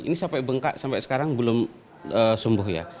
ini sampai bengkak sampai sekarang belum sembuh ya